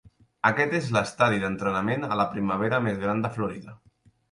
Aquest és l'estadi d'entrenament a la primavera més gran de Florida.